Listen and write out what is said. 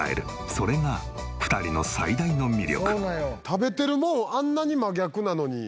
それが２人の最大の魅力。